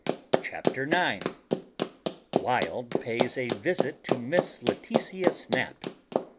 CHAPTER NINE WILD PAYS A VISIT TO MISS LETITIA SNAP.